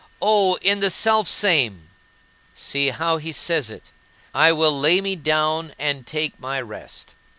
Oh, in the Selfsame!" See how he says it: "I will lay me down and take my rest."